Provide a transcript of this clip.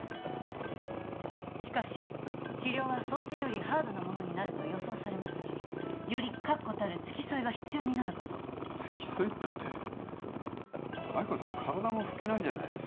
しかし治療は想定よりハードなものになると予想されますしより確固たる付き添いが必要になるかと付き添いったって亜希子さん体も拭けないじゃないです